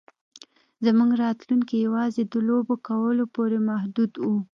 زموږ راتلونکی یوازې د لوبو کولو پورې محدود و